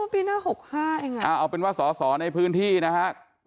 ปีหน้า๖๕เองเอาเป็นว่าสอสอในพื้นที่นะฮะ